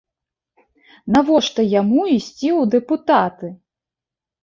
Навошта яму ісці ў дэпутаты?